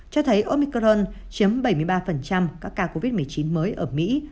cho thấy omicron chiếm bảy mươi ba các ca covid một mươi chín mới ở mỹ